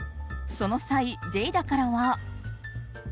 その際、ジェイダからは。